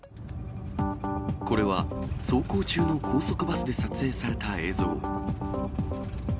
これは、走行中の高速バスで撮影された映像。